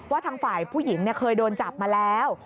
ทางฝ่ายผู้หญิงเคยโดนจับมาแล้ว